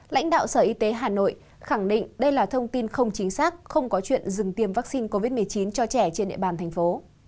lãnh đạo sở y tế hà nội khẳng định đây là thông tin không chính xác không có chuyện dừng tiêm vaccine covid một mươi chín cho trẻ trên địa bàn thành phố